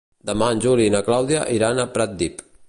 Demà en Juli i na Clàudia iran a Pratdip.